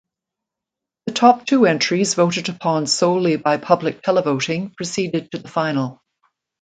The top two entries voted upon solely by public televoting proceeded to the final.